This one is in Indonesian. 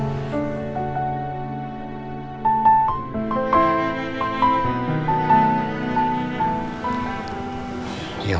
dengan dia sekarang